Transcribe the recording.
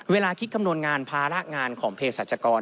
เวลาคิดคำนวณงานภาระงานของเพศรัชกร